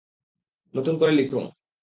নতুন করে লিখো।